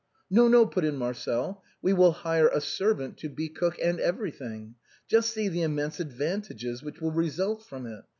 " No, no," put in Marcel, " we will hire a servant to be cook and everything. Just see the immense advantages which will result from it.